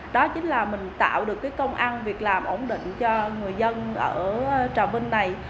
đó chính là mình tạo được cái công ăn việc làm ổn định cho người dân ở trà vinh này